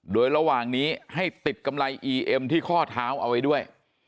โดยระหว่างนี้ให้ติดกำไรอีเอ็มที่ข้อเท้าเอาไว้ด้วย